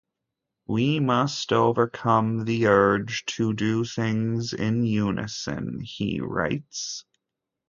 "We must overcome the urge to do things in unison" he writes.